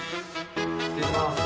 失礼します。